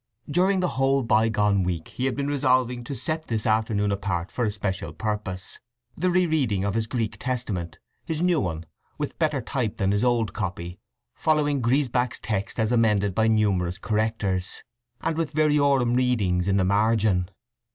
During the whole bygone week he had been resolving to set this afternoon apart for a special purpose,—the re reading of his Greek Testament—his new one, with better type than his old copy, following Griesbach's text as amended by numerous correctors, and with variorum readings in the margin.